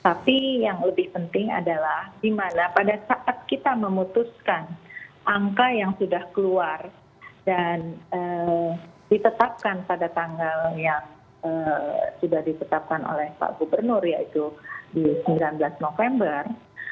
tapi yang lebih penting adalah di mana pada saat kita memutuskan angka yang sudah keluar dan ditetapkan pada tanggal yang sudah ditetapkan oleh pak gubernur yaitu di sembilan belas november